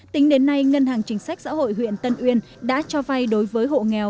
tính đến nay ngân hàng chính sách xã hội huyện tân uyên đã cho vay đối với hộ nghèo